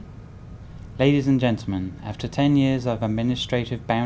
hà nội đã có nhiều nỗ lực mở rộng quan hệ với các quốc gia trên thế giới